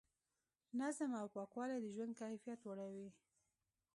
نظم او پاکوالی د ژوند کیفیت لوړوي.